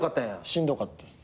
しんどかったっす。